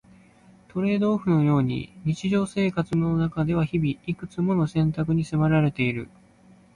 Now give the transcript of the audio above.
トレードオフのように日常生活の中では日々、いくつもの選択に迫られている。